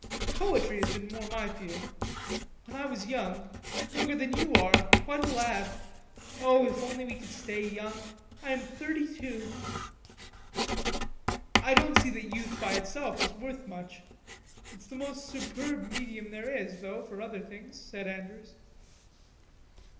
Poetry has been more my field. When I was young, younger than you are, quite a lad...Oh, if we could only stay young; I am thirty two." "I don't see that youth by itself is worth much. It's the most superb medium there is, though, for other things," said Andrews.